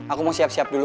aku mau siap siap dulu